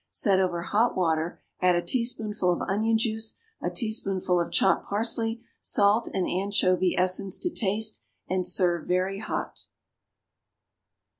Set over hot water, add a teaspoonful of onion juice, a teaspoonful of chopped parsley, salt and anchovy essence to taste, and serve very hot.